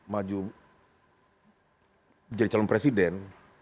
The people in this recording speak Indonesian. maju menjadi calon presiden